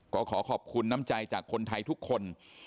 ก็ขอขอบคุณน้ำใจจากคนไทยทุกคน